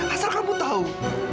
asal kamu tahu